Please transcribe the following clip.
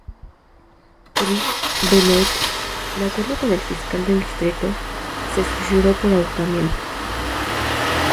Chris Benoit, de acuerdo con el fiscal del distrito, se suicidó por ahorcamiento.